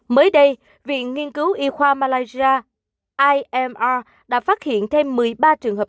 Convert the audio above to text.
mới đây viện nghiên cứu y khoa malaysia imr đã phát hiện thêm một mươi ba trường hợp nhập cảnh có các dấu chữ